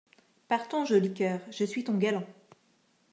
Partons, joli coeur, je suis ton galant.